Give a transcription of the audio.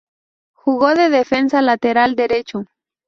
Jugó de defensa lateral derecho.